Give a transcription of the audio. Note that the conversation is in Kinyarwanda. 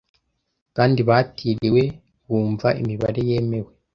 kandi batiriwe bumva imibare yemewe